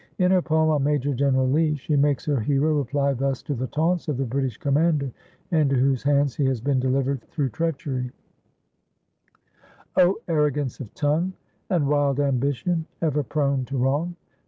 In her poem, "On Major General Lee," she makes her hero reply thus to the taunts of the British commander into whose hands he has been delivered through treachery: "O arrogance of tongue! And wild ambition, ever prone to wrong!